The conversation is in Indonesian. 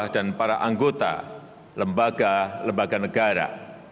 dan para anggota lembaga lembaga negara